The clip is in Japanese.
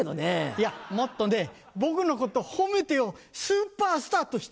いやもっとね僕のこと褒めてよスーパースターとして。